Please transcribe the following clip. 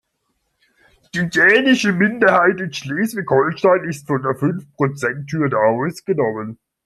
Die dänische Minderheit in Schleswig-Holstein ist von der Fünfprozenthürde ausgenommen.